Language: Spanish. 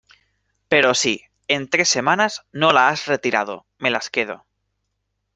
pero si, en tres semanas , no la has retirado , me las quedo.